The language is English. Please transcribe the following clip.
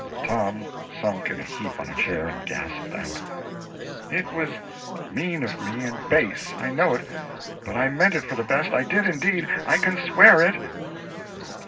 Tom sunk in a heap on a chair, and gasped out "It was mean of me, and base I know it; but I meant it for the best, I did indeed I can swear it."